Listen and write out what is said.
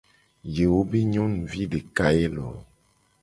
Yewo be nyonuvi deka ye loo.